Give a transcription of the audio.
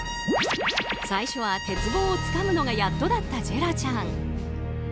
最初は鉄棒をつかむのがやっとだったジェラちゃん。